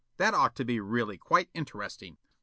That ought to be really quite interesting."